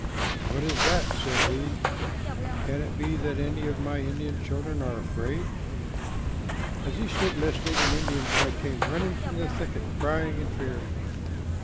"What is that?" said he. "Can it be that any of my Indian children are afraid?" As he stood listening, an Indian boy came running from the thicket, crying in fear.